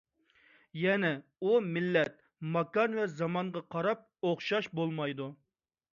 يەنى، ئۇ، مىللەت، ماكان ۋە زامانغا قاراپ ئوخشاش بولمايدۇ.